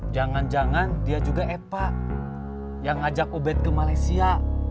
jangan jangan dia juga eta yang ngajak ubed ke malaysia